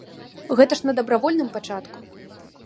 Гэта ж на дабравольным пачатку.